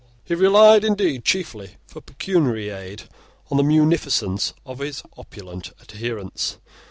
He relied, indeed, chiefly, for pecuniary aid, on the munificence of his opulent adherents.